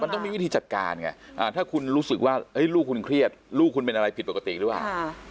มันต้องมีวิธีจัดการไงถ้าคุณรู้สึกว่าลูกคุณเครียดลูกคุณเป็นอะไรผิดปกติหรือเปล่า